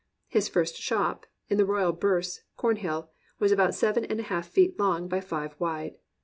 His first shop, in the Royal Burse, Cornhill, was about seven and a half feet long by five wide.